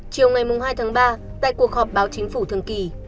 chiều ngày hai tháng ba tại cuộc họp báo chính phủ thường kỳ